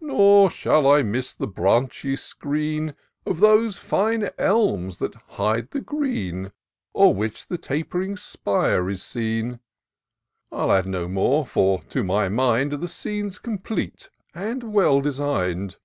Nor shall I miss the branchy screen Of those fine elms that hide the green, O'er which the tap'ring spire is seen. I'll add BO more ; for, to my mind, The scene's complete, and well design'd.